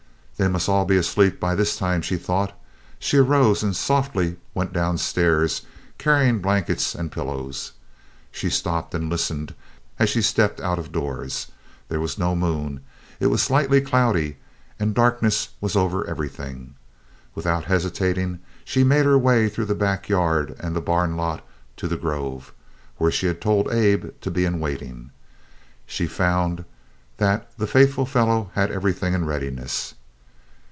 "They must be all asleep by this time," she thought. She arose and softly went downstairs, carrying blankets and pillows. She stopped and listened as she stepped out of doors. There was no moon, it was slightly cloudy, and darkness was over everything. Without hesitating she made her way through the back yard and the barn lot to the grove, where she had told Abe to be in waiting. She found that the faithful fellow had everything in readiness.